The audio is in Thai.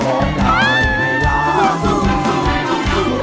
คุณสาหาร